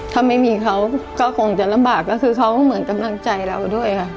ถ้าไม่มีเขาก็คงจะลำบากก็คือเขาเหมือนกำลังใจเราด้วยค่ะ